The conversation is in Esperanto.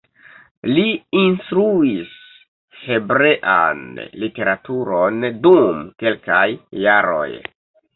Li instruis hebrean literaturon dum kelkaj jaroj.